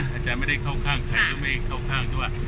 อาจารย์ไม่ได้เข้าข้างใครไม่ได้เข้าข้างที่ว่า